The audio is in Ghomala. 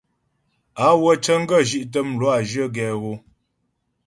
Á wə́ cə́ŋ gə zhí'tə mlwâ cyə̀ gɛ hɔ.